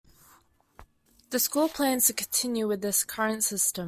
The school plans to continue with this current system.